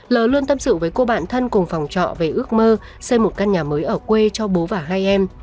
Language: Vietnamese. lơ luôn tâm sự với cô bạn thân cùng phòng trọ về ước mơ xây một căn nhà mới ở quê cho bố và hai em